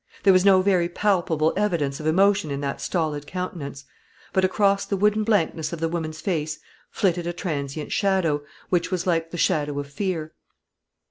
There was no very palpable evidence of emotion in that stolid countenance; but across the wooden blankness of the woman's face flitted a transient shadow, which was like the shadow of fear.